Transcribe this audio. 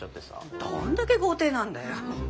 どんだけ豪邸なんだよ。